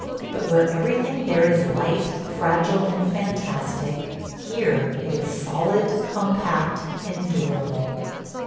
But where everything there is light, fragile, and fantastic, here it is solid, compact, and durable.